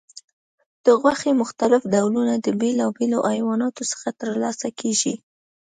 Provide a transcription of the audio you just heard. د غوښې مختلف ډولونه د بیلابیلو حیواناتو څخه ترلاسه کېږي.